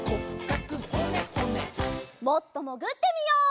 もっともぐってみよう。